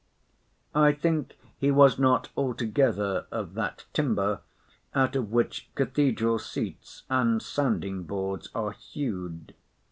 I think he was not altogether of that timber, out of which cathedral seats and sounding boards are hewed.